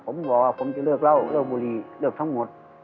ผมบอกว่าผมจะเลิกเล่าเลิกบุรีเลิกทั้งหมด